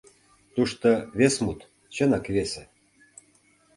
Тушто вес мут, чынак весе...